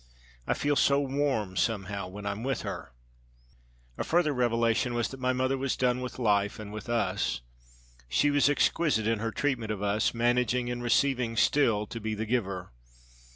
I feel so warm, somehow, when I'm with her.' A further revelation was that my mother was done with life and with us. She was exquisite in her treatment of us, managing in receiving still to be the giver.